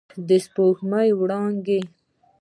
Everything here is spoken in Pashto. د سپوږمۍ وړانګې